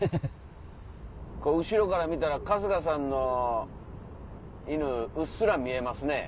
後ろから見たら春日さんの犬うっすら見えますね。